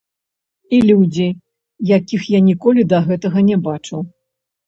І людзі, якіх я ніколі да гэтага не бачыў.